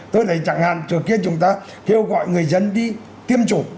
tôi thấy chẳng hạn trường kia chúng ta kêu gọi người dân đi tiêm chủ